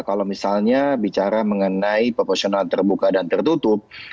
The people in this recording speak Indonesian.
kalau misalnya bicara mengenai proporsional terbuka dan tertutup